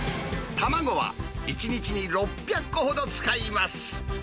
卵は１日に６００個ほど使います。